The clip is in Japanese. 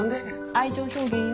愛情表現や。